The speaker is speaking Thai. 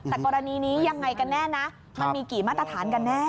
แต่กรณีนี้ยังไงกันแน่นะมันมีกี่มาตรฐานกันแน่